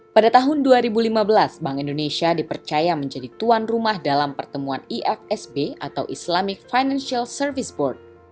pada tahun dua ribu lima belas bank indonesia dipercaya menjadi tuan rumah dalam pertemuan ifsb atau islamic financial service board